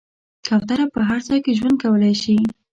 کوتره په هر ځای کې ژوند کولی شي.